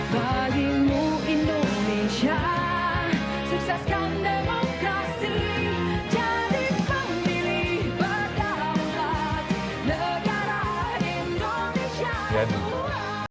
bagimu indonesia sukseskan demokrasi jadi pemilih berdaulat negara indonesia